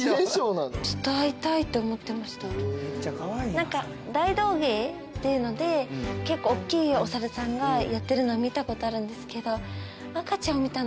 何か大道芸っていうので結構大っきいおサルさんがやってるの見たことあるんですけど。